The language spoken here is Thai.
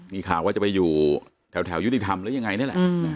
มีข่าวว่าจะไปอยู่แถวยุติธรรมหรือยังไงนี่แหละ